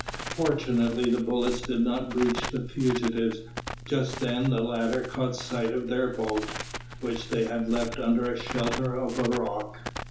Fortunately the bullets did not reach the fugitives; just then the latter caught sight of their boat, which they had left under shelter of a rock.